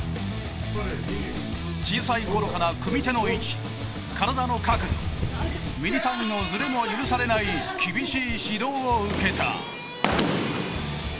小さいころから組み手の位置体の角度ミリ単位のズレも許されない厳しい指導を受けた。